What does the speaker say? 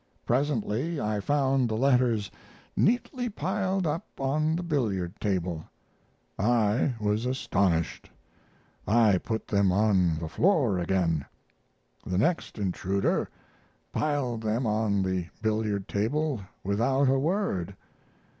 Presently I found the letters neatly piled up on the billiard table. I was astonished. I put them on the floor again. The next intruder piled them on the billiard table without a word.